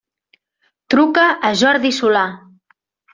Truca a Jordi Solà.